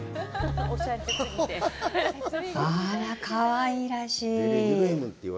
あら、かわいらしい。